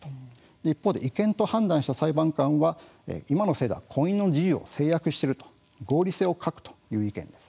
一方で違憲と判断した裁判官は今の制度は婚姻の自由を制約している合理性を欠くという意見です。